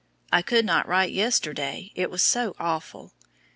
I could not write yesterday, it was so awful.